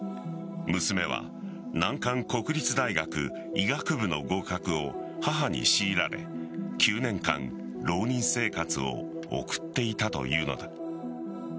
娘は難関国立大学医学部の合格を母に強いられ９年間浪人生活を送っていたというのだ。